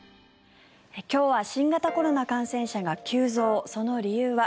今日は新型コロナ感染者が急増その理由は。